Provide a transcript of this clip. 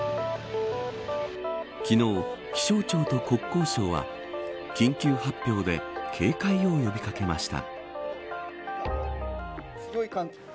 昨日、気象庁と国交省は緊急発表で警戒を呼び掛けました。